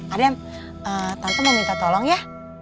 adam tante mau minta tolong ya